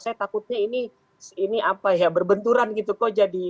saya takutnya ini berbenturan gitu kok